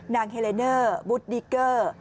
นางเฮเลนเนอร์บุธดีเกอร์